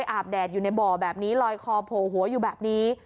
อาบแดดอยู่ในบ่อแบบนี้ลอยคอโผล่หัวอยู่แบบนี้